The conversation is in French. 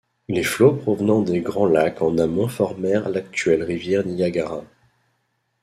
Les flots provenant des Grands Lacs en amont formèrent l’actuelle rivière Niagara.